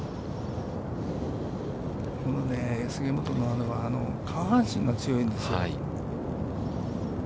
この杉本君は下半身が強いんですよ。